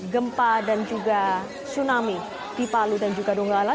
gempa dan juga tsunami di palu dan juga donggala